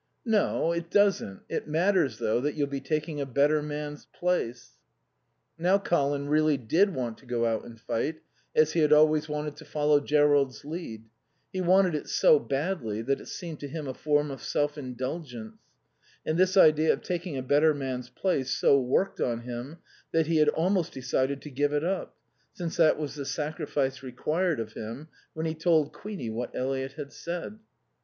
"No. It doesn't. It matters, though, that you'll be taking a better man's place." Now Colin really did want to go out and fight, as he had always wanted to follow Jerrold's lead; he wanted it so badly that it seemed to him a form of self indulgence; and this idea of taking a better man's place so worked on him that he had almost decided to give it up, since that was the sacrifice required of him, when he told Queenie what Eliot had said.